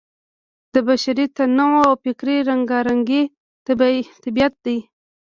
د بشري تنوع او فکري رنګارنګۍ طبیعت دی.